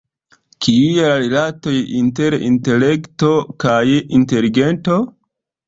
Kiuj la rilatoj inter intelekto kaj inteligento?